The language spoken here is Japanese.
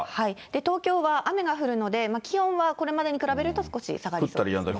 東京は雨が降るので、気温はこれまでに比べると、降ったりやんだり。